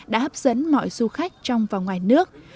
đã hấp dẫn mọi du khách trong và ngoài nước